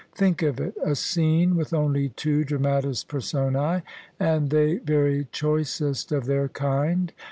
Think of it: a scene with only two dramatis personae: and they very choicest of their kind.